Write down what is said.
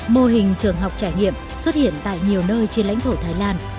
mô hình trường học trải nghiệm xuất hiện tại nhiều nơi trên lãnh thổ thái lan